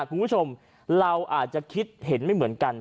คุณผู้ชมเราอาจจะคิดเห็นไม่เหมือนกัน